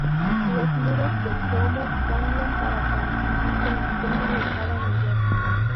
Los muros del domo cambian para coincidir con el tema de cada nivel.